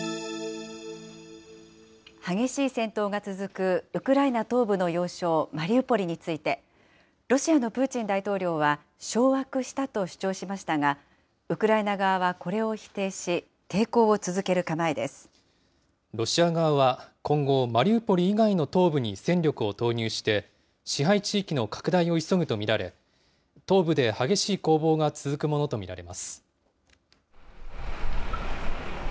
激しい戦闘が続くウクライナ東部の要衝マリウポリについて、ロシアのプーチン大統領は、掌握したと主張しましたが、ウクライナ側はこれを否定し、ロシア側は今後、マリウポリ以外の東部に戦力を投入して、支配地域の拡大を急ぐと見られ、東部で激しい攻防が続くものと見られます。